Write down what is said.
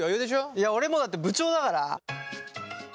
いや俺もうだって部長だから。